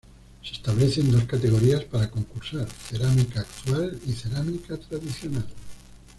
Se establecen dos categorías para concursar: "Cerámica Actual" y "Cerámica Tradicional".